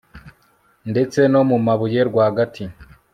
ndetse no mu mabuye rwagati